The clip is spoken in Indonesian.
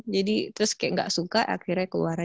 jadi terus kayak gak suka akhirnya keluar aja